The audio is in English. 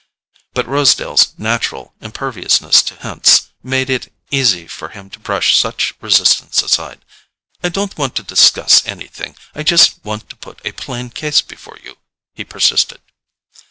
But Rosedale's natural imperviousness to hints made it easy for him to brush such resistance aside. "I don't want to discuss anything; I just want to put a plain case before you," he persisted.